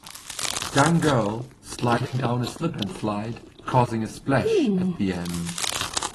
Young girl, sliding down a slip and slide causing a splash, at the end.